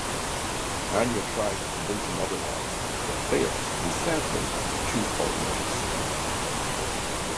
Anya tries to convince him otherwise, but fails, and sadly, the two part ways.